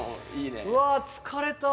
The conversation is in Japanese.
わ疲れた！